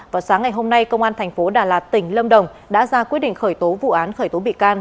vào sáng ngày hôm nay công an thành phố đà lạt tỉnh lâm đồng đã ra quyết định khởi tố vụ án khởi tố bị can